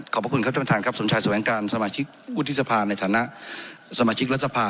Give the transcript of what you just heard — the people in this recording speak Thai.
ขอบคุณครับท่านประธานครับสมชายแสวงการสมาชิกวุฒิสภาในฐานะสมาชิกรัฐสภา